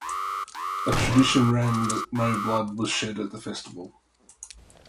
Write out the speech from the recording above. A tradition ran that no blood was shed at the festival.